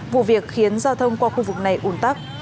vụ việc khiến giao thông qua khu vực này ủn tắc